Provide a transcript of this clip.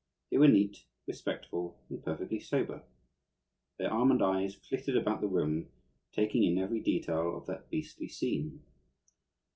They were neat, respectful, and perfectly sober. Their almond eyes flitted about the room, taking in every detail of that beastly scene.